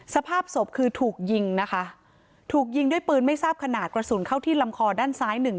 สภาพศพคือถูกยิงนะคะถูกยิงด้วยปืนไม่ทราบขนาดกระสุนเข้าที่ลำคอด้านซ้ายหนึ่ง